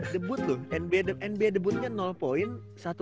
debut loh nba debutnya point